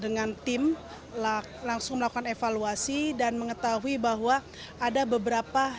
dengan tim langsung melakukan evaluasi dan mengetahui bahwa ada beberapa